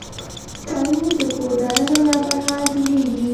تنور د کور دننه یا بهر جوړېږي